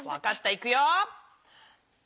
いくよ。